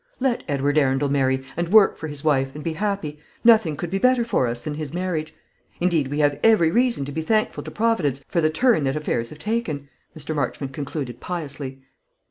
Let Edward Arundel marry, and work for his wife, and be happy; nothing could be better for us than his marriage. Indeed, we have every reason to be thankful to Providence for the turn that affairs have taken," Mr. Marchmont concluded, piously.